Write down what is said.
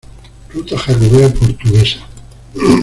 Ruta Jacobea Portuguesa